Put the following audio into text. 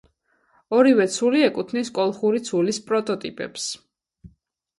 ორივე ცული ეკუთვნის კოლხური ცულის პროტოტიპებს.